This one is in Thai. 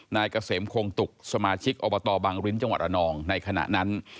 นายเกษมโคงตุกสมาชิกอบตบังริ้นจังหวัดระนองในขณะนั้น